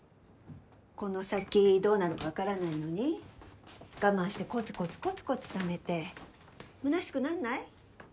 この先どうなるか分からないのに我慢してコツコツコツコツためてむなしくなんない？